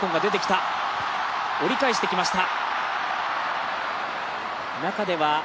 折り返してきました。